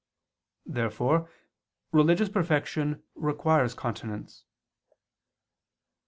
Therefore religious perfection requires continence.